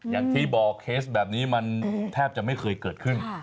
อย่างที่บอกเคสแบบนี้มันแทบจะไม่เคยเกิดขึ้น